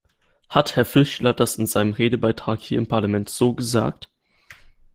Hat Herr Fischler das in seinem Redebeitrag hier im Parlament so gesagt?